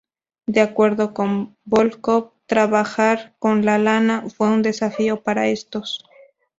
De acuerdo con Volkov: trabajar con la lana fue un desafío para estos.